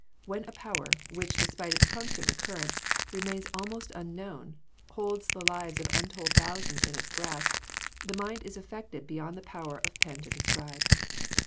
When a power, which despite its constant recurrence, remains almost unknown, holds the lives of untold thousands in its grasp, the mind is affected beyond the power of pen to describe.